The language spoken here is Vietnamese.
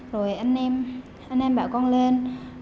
rồi anh em bảo con lên